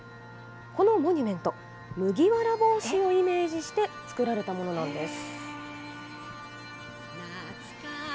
このモニュメント、麦わら帽子をイメージして作られたものなんです。